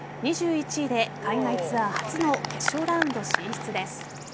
２１位で海外ツアー初の決勝ラウンド進出です。